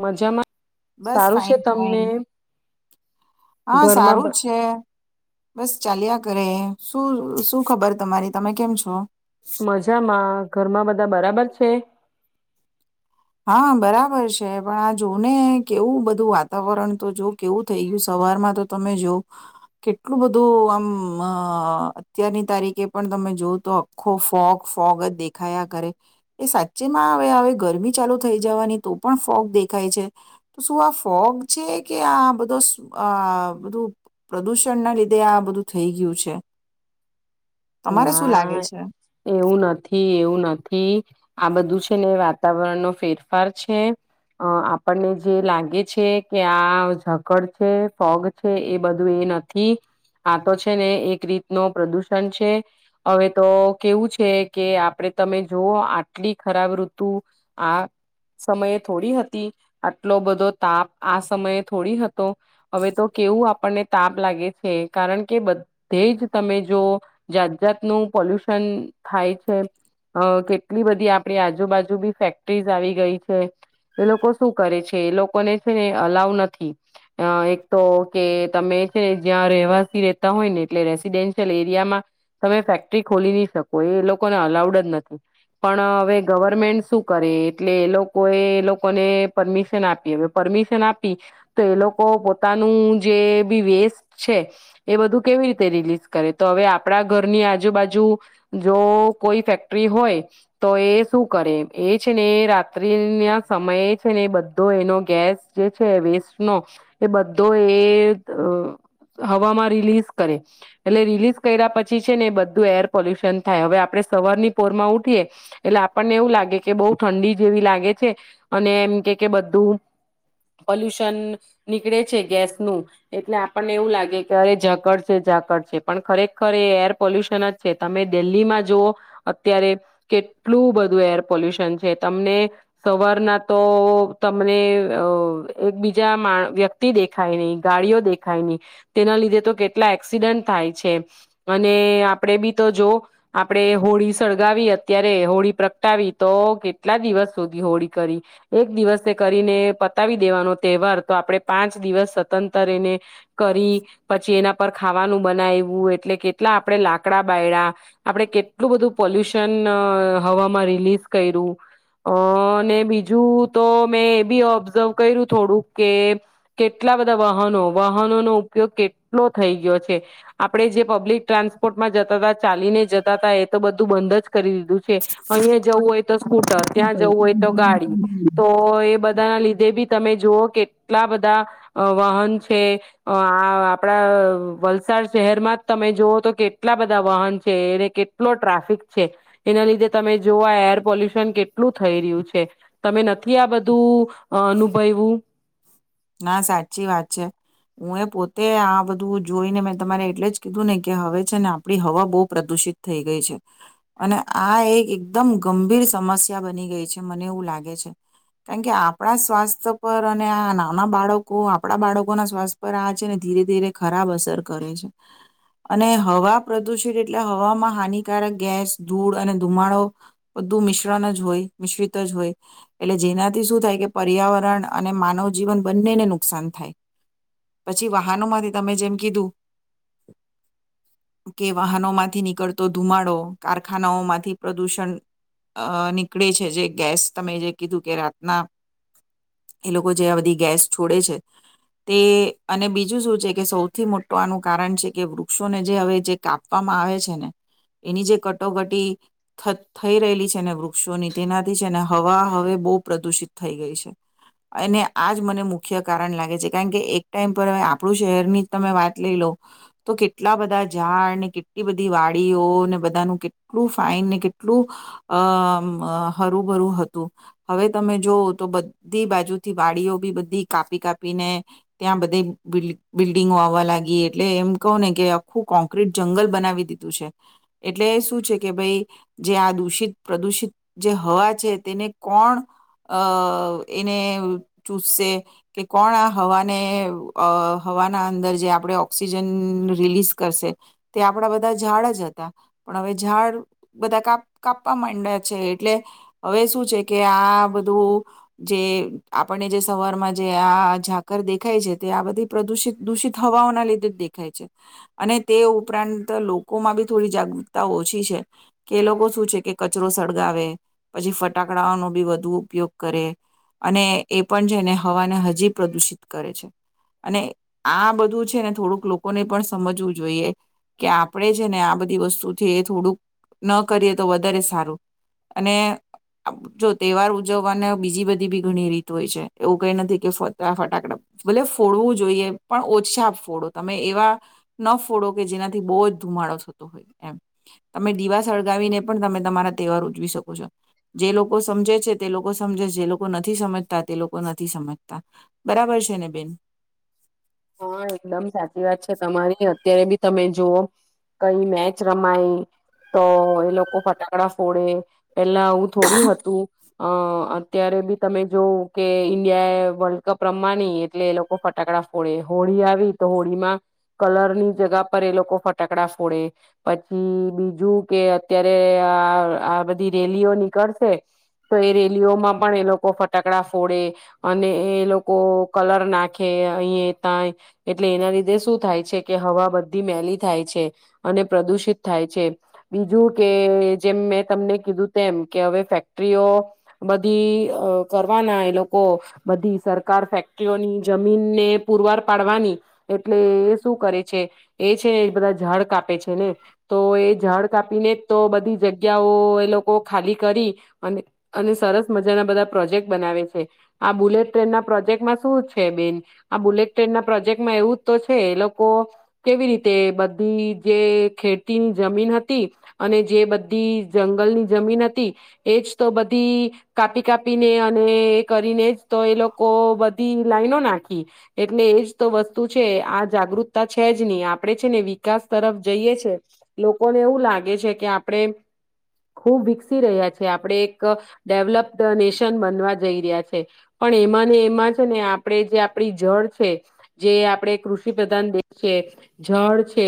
મજામાં? બસ સારું છે ફઇન ફાઈન, તમને હા ઘરમાં સારું બ- છે, બસ ચાલ્યા કરે શું શું ખબર તમારી તમે કેમ છો? મજામાં ઘરમાં બધા બરાબર છે? હા બરાબર છે પણ આ જો ને કેવું બધું વાતાવરણ તો જો કેવું થઈ ગયું સવારમાં તો તમે જો, કેટલું બધું આમ અત્યારની તારીખે પણ તમે જોવ તો આખો ફોગ ફોગ જ દેખાયા કરે, એ સાચેમાં હવે હવે ગરમી ચાલુ થઈ જવાની તો પણ ફોગ દેખાય છે, તો શું આ ફોગ છે કે આ બધો બધું પ્રદુષણ ના લીધે આ બધું થઈ ગયું છે. તમારે શું ના લાગે છે? એવું નથી એવું નથી. આ બધું છે ને વાતાવરણનો ફેરફાર છે, આપણને જે લાગે છે કે આ ઝકડ છે ફોગ છે એ બધું એ નથી, આ તો છે ને એક રીત ન પ્રદુષણ છે. હવે તો કેવું છે કે આપણે તમે જોઓ આટલી ખરાબ ઋતુ, આ સમયે થોડી હતી, આટલો બધો તાપ આ સમયે થોડી હતો, હવે તો કેવું આપણને તાપ લાગે છે, કારણ કે બધે જ તમે જોવો જાત જાતનું પોલ્યુશન થાય છ, કેટલી બધી આપણી આજુબાજુ બી ફેક્ટરીઝ આવી ગઈ છે, એ લોકો શું કરે છે એ લોકોને છે ને અલાવ નથી, એક તો કે તમે છે જ્યાં રહેવાસી રહેતા હોય ને એટલે રેસીિડેન્શિયલ એરિયામાં તમે ફેક્ટરી ખોલી નહી શકો. એ એ લોકોને અલાઉડ જ નથી, પણ હવે ગવર્મેન્ટ શું કરે એટલે એ લોકોએ એ લોકોને પરમિશન આપી હ પરમિશન આપી, તો એ લોકો પોતાનું જે બી વેસ્ટ છે, એ બધું કેવી રીતે રિલીઝ કરે. તો હવે આપ આપણા ઘરની આજુબાજુ, જો કોઈ ફેક્ટરી હોય તો એ શું કરે એ છે ને રાત્રિ ના સમયે છે ને એ બધો એનો ગેસ જે છે વેસ્ટ નો, એ બધો એ હવામાં રિલીઝ કરે. એટલે રિલીઝ કર્યા પછી છેડી ને બધું એર પોલ્યુશન થાય. હવે આપણેે સવારની પોરમાં ઉઠીએ એટલે આપણને એવું લાગે કે બહુ ઠંડી જેવી લાગે છે. અને એમ કે કે બધું પોલ્યુશન નીકળે છે. ગેસ નું એટલે આપણને એવું લાગે કે અરે ઝકડ છે, ઝકડ છે. પણ ખરેખર ખરે એ એર પોલ્યુશન જ છે તમે દિલ્હીમાં જુવો, અત્યારે કેટલું બધું એર પોલ્યુશન છે, તમને સવારના તો તમને એકબીજા વ્યક્તિ દેખાય નહી, ગાડીઓ દેખાય નહી, તેના લીધે તો કેટલા એક્સિડન્ટ થાય છે. અને આપણેે બી તો જો, આપણે હોળી સળગાવી અત્યારે હોળી પ્રગટાવી તો કેટલા દિવસ સુધી હોળી કરી, એક દિવસે કરીને પતાવી દેવાનો તહેવાર તો આપણેે પાંચ દિવસ સતંતર એને કરી, પછી એનાં પર ખાવાનું બનાવ્યું એટલે કેટલા આપણે લાકડા બાાયડા. આપણે કેટલું બધું પોલ્યુશન હવામાં રિલીઝ કર્યું. અ અને બીજું તો મેં એ બી ઓબ્ઝર્વ કર્યું થોડુંક કે, કેટલા બધા વાહનો વાહનોનો ઉપયોગ કેટલો થઈ ગયો છે. આપણે જે પબ્લિક ટ્રાન્સપોર્ટમાં જતા હતા, ચાલીને જતા હતા, એ તો બધું બંધ જ કરી દીધું છે. અહીયાં જવું હોય તો સ્કૂટર, ત્યાં જવું હોય તો ગાડી, તો એ બધા ના લીધે બી તમે જુઓ કે એટલા બધા વાહન છે. આપણા વલસાડ શહેરમાં તમે જુઓ તો કેટલા બધા વાહન છે. એને કેટલો ટ્રાફિક છે. એના લીધે તમે જો ઓ આ એર પોલ્યુશન કેટલું થઈ રહ્યું છે.? તમે નથી આ બધું અનુભવ્યું? હા સાચી વાત છે. હું એ પોતે આ બધું જોઈને મેં તમારે એટલે જ કીધું ને કે હવે છે ને, આપડી હવા બહુ પ્રદુષિત થઈ ગઈ છે. અને આ એક એકદમ ગંભીર સમસ્યા બની ગઈ છે, મને એવું લાગે છે. કારણ કે આપણા સ્વાસ્થ્ય પર અને આ બાળકો આપણા બાળકોના શ્વાસ પર આ છે ને ધીરે ધીરે ખરાબ અસર કરે છે. અને હવા પ્રદુષિત એટલે હવામાં હાનિકારક ગેસ, ધૂળ અને ધુમાડો બધું મિશ્રણ જ હોય, મિશ્રિત જ હોય, એટલે જેનાથી શું? થાય કે પર્યાવરણ અને માનવ જીવન બંનેને નુકસાન થાય. પછી વાહનો માંથી તમે જેમ કીધું [unintelligible] કે વાહનોમાંથી નીકળતો ધુમાડો, કારખાનાઓ માંથી પ્રદૂષણ નીકળે છે. જે ગેસ તમે જે કીધું કે રાતના [unintelligible] એ લોકો જે બધી ગેસ છોડે છે. તે અને બીજું શું છે? કે સૌથી મોટું આનું કારણ છે કે, વૃક્ષોને જે હવે જે કાપવામાં આવે છે ને, એની જે કટોકટી થઈ રહેલી છે ને, વૃક્ષોની તેનાથી છે ને, હવા હવે બહુ પ્રદુષિત થઈ ગઈ છે. અને આજ મને મુખ્ય કારણ લાગે છે કારણ કે, એક ટાઈમ પર આપણું શહેરની જ તમે વાત લઈ લો તો, કેટલા બધા ઝાડ ને, કેટલી બધી વાડીઓ ને, બધાનું કેટલું ફાઈન ને કેટલું અ.. હર્યુંભર્યું હતું. હવે તમે જોઓ તો બધી બાજુથી વાડીઓ બી બધી કાપી કાપીને ત્યાં બધી બિલ્ડીિંગો આવવા લાગી, એટલે એમ કહું ને કે આખું કોંક્રીટ જંગલ બનાવી દીધું છે. એટલે શું છે કે ભાઈ જે આ દૂષિત પ્રદુષિત જે હવા છે. તેને કોણ અ એને ચૂઝશે કે કોણ આ હવાને હવાના અંદર જે આપણે ઓક્સિજન રિલીઝ કરશે? તે આપણા બધા ઝાડ જ હતા. પણ હવે ઝાડ બધા કાપ કાપવા માંડ્યા છે એટલે હવે શું છે? કે આ બધું જે આપણને જે સવારમાં જે આ ઝાકળ દેખાય છે, તે આ બધી પ્રદુષિત, દૂષિત હવાઓના લીધે જ દેખાય છે. અને તે ઉપરાંત લોકોમાં પણ થોડી જાગૃતતા ઓછી છે. કે એ લોકો શું છે કે કચરો સળગાવે પછી ફટાકડાઓનો બી વધુ ઉપયોગ કરે અને એ પણ છે, ને હવાને હજી પ્રદુષિત કરે છે. અને આ બધું છે ને થોડુંક લોકોને પણ સમજવું જોઈએ કે, આપણેે છે ને આ બધી વસ્તુથી એ થોડુંક ન કરીએ તો વધારે સારું, અને જો તહેવાર ઉજવવાના બીજી બધી પણ ઘણી રીત હોય છે. એવું કઈ નથી કે' આ ફટાકડા ભલે ફોડવું જોઈએ, પણ ઓછા ફોડો તમે એવા ન ફોડો કે જેનાથી બહુ જ ધુમાડો થતો હોય, એમ તમે દીવા સળગાવીને પણ તમે તમારા તહેવાર ઉજવી શકો છો. જે લોકો સમજે છે તે લોકો સમજે છે. જે લોકો નથી સમજ તે લોકો નથી સમજતા. બરાબર છે ને બેન? હા એકદમ સાચી વાત છે તમારી, અત્યારે બી પણ તમે જોવો કઈ મેચ રમાય તો, એ લોકો ફટાકડા ફોડે પેલા આવું થોડી હતું? અઅ અત્યારે પણ તમે જોવો કે ઈન્ડિયા એ વર્લ્ડ કપ રમવાની એટલે એ લોકો ફટાકડા ફોડે, હોળી આવી તો, હોળી માં કલર ની જગ્યા પર એ લોકો ફટાકડા ફોડે, પછી બીજું કે અત્યારે આ બધી રેલીઓ નીકળશે, તો એ રેલીઓમાં પણ એ લોકો ફટાકડા ફોડે અને એ લોકો કલર નાખે અહી ત્યા એટલે એના લીધે શું થાય છે કે, હવા બધી મેલી થાય છે. અને પ્રદુષિત થાય છે. બીજું કે જેમ મેં તમને કીધું તેમ કે, હવે ફેક્ટરીઓ બધી કરવાના એ લોકો બધી સરકાર ફેક્ટરીઓની જમીન ને પુરવાર પાડવાની એટલે એએ શું કરે છે? એ છે બધા ઝાડ કાપે છે ને! તો એ ઝાડ કાપીને જ તો બધી જગ્યાઓ એ લોકો ખાલી કરી, અને અને સરસ મજાના બધા પ્રોજેક્ટ બનાવે છે. આ બુલેટ ટ્રેન ના પ્રોજેક્ટમાં શું છે બેન? આ બુલેટ ટ્રેનના પ્રોજેક્ટમાં એવું જ તો છે, એ લોકો કેવી રીતે બધી, જે ખેતીની જમીન હતી, અને જે બધી જંગલની જમીન હતી, એજ તો બધી કાપી કાપીને અને એ કરીને જ તો એ લોકો બધી લાઈનો નાખી એટલે! એજ તો વસ્તુ છે, આ જાગૃતતા છે જ નહી. આપણેે છે ને વિકાસ તરફ જઈએ છે, લોકોને એવું લાગે છે કે, આપણેે ખુબ વિકસી રહ્યા છીએ. આપણે એક ડેવલપ્ડ નેશન બનવા જઈ રહ્યા છે, પણ એમાંને એમાં છે ને આપણે જે આપણી ઝડ છે. જે આપણેે કૃષિ પ્રધાન દેશ છે, ઝડ છે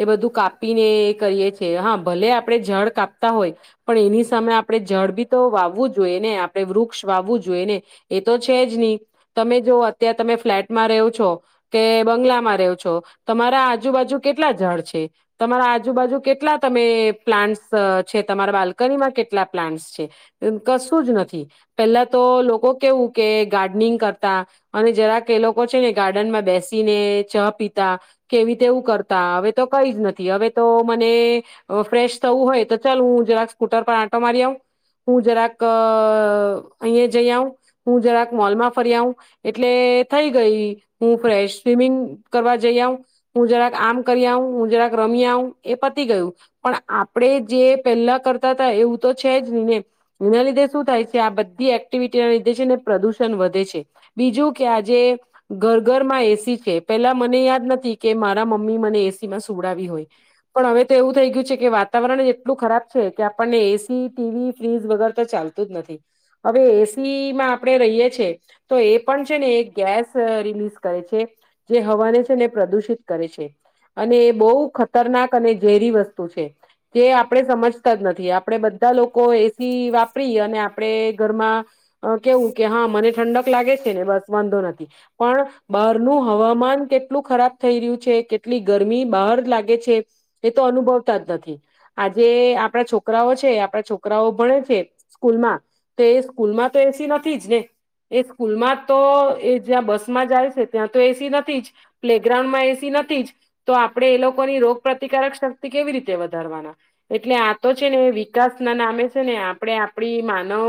એ બધું કાપીને એ કરીએ છે. હા, ભલે આપણે ઝડ કાપતા હોય પણ, એની સામે આપણે ઝડ બી પણ તો વાવવું જોઈએ ને? આપણે વૃક્ષ વાવવું જોઈએ ને? એ તો છે જ નહી. તમે જો ત્યાં તમે ફ્લેટમાં રહો છો કે, બંગલામાં રહો છો, તમારા આજુબાજુ કેટલા ઝાડ છે? તમારા આજુબાજુ કેટલા તમે પ્લાન્ટસ છે? તમારા બાલ્કનીમાં કેટલા પ્લાન્ટસ છે? કશું જ નથી! પેલા તો લોકો કેવું કે, ગાર્ડનિંગ કરતા અને જરાક એ લોકો છે ને, ગાર્ડનમાં બેસીને ચા પીતા કેવી તેવું કરતા. હવે તો કંઈ જ નથી હવે તો મને ફ્રેશ થવું હોય તો ચાલ! હું જરાક સ્કૂટર પર આંટો મારી આવું, હું જરાક અહીંયા જઈ આવું, હું જરાક મોલમાં ફરી આવું એટલે થઈ ગઈ હું ફ્રેશ. સ્વિમિંગ કરવા જઈ આવું, હું જરાક આમ કરી આવું, હું જરાક રમી આવું, એ પતી ગયું પણ આપડે જે પહેલા કરતા હતા એવું તો છે જ નહી ને, એના લીધે શું થાય છે? આ બધી એક્ટિવિટીના લીધે છે ને પ્રદુષણ વધે છે. બીજું કે, આજે ઘર ઘરમાં એસી છે. પહેલાં મને યાદ નથી કે, મારા મમ્મીએ મને એસી માં સુવડાવી હોય. પણ હવે તો એવું થઈ ગયું છે કે, વાતાવરણ એટલું ખરાબ છે કે આપણને એસી, ટીવી, ફ્રીજ વગર તો ચાલતું જ નથી. હવે એસી માં આપણે રહીએ છીએ તો એ પણ છે ને એક ગેસ રિલીઝ કરે છે. જે હવાને છે ને પ્રદુષિત કરે છે. અને એ બહુ ખતરનાક અને ઝેરી વસ્તુ છે જે આપણે સમજતા જ નથી. આપણેે બધા લોકો એસી વાપરી અને આપણે ઘરમાં કેવું કે હા મને ઠંડક [inaudible] લાગે છે ને બસ વાંધો નથી, પણ બહારનું હવામાન કેટલું ખરાબ થઈ રહ્યું છે? કેટલી ગરમી બહાર લાગે છે? એ તો અનુભવતા જ નથી. આજે આપણા છોકરાઓ છે, આપણા છોકરાઓ ભણે છે સ્કૂલમાં તો એ સ્કૂલમાં તો એસી નથી જ ને એ સ્કૂલમાં તો એ જ્યાં બસમાં જાય છે ત્યાં તો એસી નથી, જ પ્લે ગ્રાઉન્ડમાં એસી નથી જ તો આપણે એ લોકોની રોગપ્રતિકારક શક્તિ કેવી, રીતે વધારવાના? એટલે આ તો છે ને એ વિકાસના નામે છે ને આપણે આપણી માનવ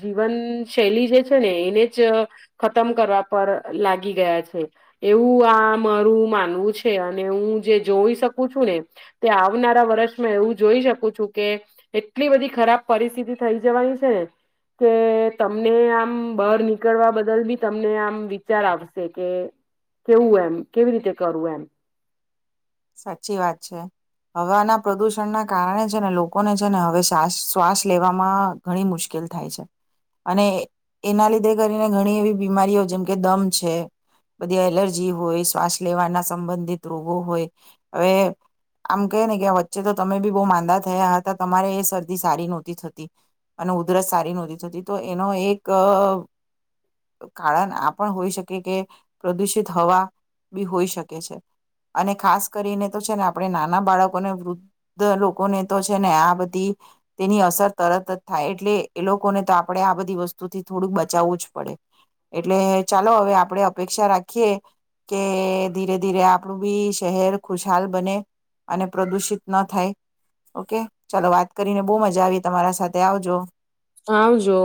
જીવન શૈલી જે છે ને એને જ ખતમ કરવા પર લાગી ગયા છે. એવું આ મારું માનવું છે. અને હું જે જોઈ શકું છું ને, તે આવનારા વર્ષમાં એવું જોઈ શકું છું કે, એટલી બધી ખરાબ પરિસ્થિતિ થઈ જવાની છેને કે, તમને આમ બહાર નીક નીકળવા બદલ પણ તમને આમ વિચાર આવશે કે કેવું? એમ કેવી રીતે કરવું? એમ સાચી વાત છે. હવાના પ્રદુષણના કારણે છે ને લોકોને છે ને હવે શ્વાસ શ્વાસ લેવામાં ઘણી મુશ્કેલ થાય છે. અને એના લીધે કરીને ઘણી એવી બીમારીઓ જેમ કે, દમ છે બધી એલર્જી હોય શ્વાસ લેવાના સંબંધિત રોગો હોય હવે આમ કહીએ ને કે, વચ્ચે તો તમે પણ બહુ માંદા થયા હતા. તમારે એ શરદી સારી નહોતી થતી. અને ઉધરસ સારી નહોતી થતી. તો એનો એક કારણ આ પણ હોઈ શકે, કે પ્રદુષિત હવા પણ હોઈ શકે છે. અને ખાસ કરીને તો છે ને, આપણે નાના બાળકોને, વૃદ્ધ લોકોને તો છે ને, આ બધી તેની અસર તરત જ થાય એટલે એ લોકોને તો આપણે આ બધી વસ્તુથી થોડુંક બચાવવું જ પડે. એટલે ચાલો, હવે આપણે અપેક્ષા રાખીએ કે, ધીરે ધીરે આપણું પણ શહેર ખુશહાલ બને અને પ્રદુષિત ન થાય. ઓકે, ચાલો વાત કરીને બહુ મજા આવી તમારા સાથે. આવજો આવજો!